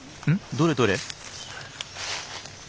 どれどれ？